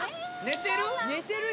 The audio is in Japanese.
寝てる？